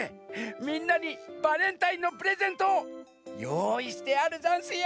みんなにバレンタインのプレゼントよういしてあるざんすよ。